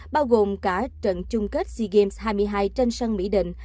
bao gồm cả trận chung kết sea games hai mươi hai trên sân mỹ định